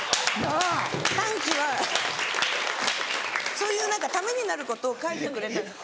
そういう何かためになることを書いてくれたんです。